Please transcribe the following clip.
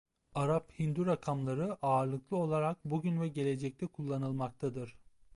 Arap-Hindu rakamları ağırlıklı olarak bugün ve gelecekte kullanılmaktadır.